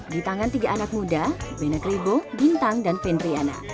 di tangan tiga anak muda benek ribo bintang dan fendriana